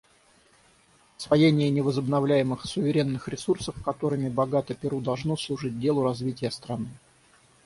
Освоение невозобновляемых суверенных ресурсов, которыми богато Перу, должно служить делу развития страны.